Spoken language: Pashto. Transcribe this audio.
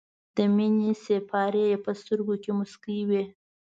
د مینې سېپارې یې په سترګو کې موسکۍ وې.